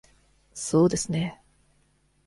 そうですね。